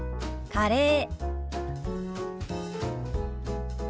「カレー」。